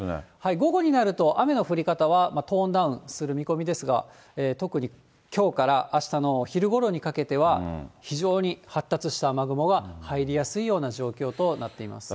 午後になると雨の降り方はトーンダウンする見込みですが、特にきょうからあしたの昼ごろにかけては、非常に発達した雨雲が入りやすいような状況となっています。